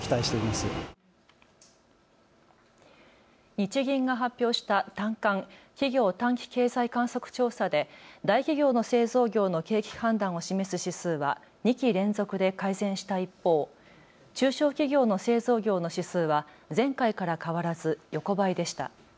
日銀が発表した短観・企業短期経済観測調査で大企業の製造業の景気判断を示す指数は２期連続で改善した一方、中小企業の製造業の指数は前回から変わらず横ばいでした。